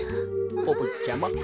おぼっちゃま。